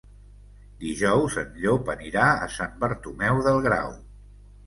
Dijous en Llop anirà a Sant Bartomeu del Grau.